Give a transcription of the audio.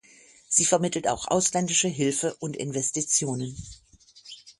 Sie vermittelt auch ausländische Hilfe und Investitionen.